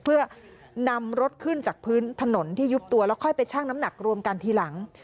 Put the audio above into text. เพื่อนำรถขึ้นจากพื้นถนนที่ยุบตัวแล้วค่อยไปชั่งน้ำหนักรวมกันทีหลัง